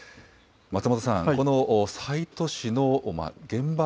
松本さん、この西都市の現場